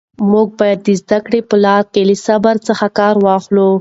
موږ باید د زده کړې په لاره کې له صبر څخه کار واخلو.